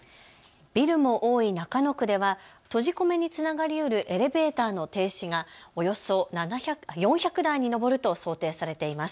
ビルも多い中野区では閉じ込めにつながりうるエレベーターの停止がおよそ４００台に上ると想定されています。